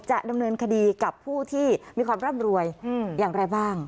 จะดำเนินคดีกับผู้ที่มีความร่ำรวยอย่างไรบ้าง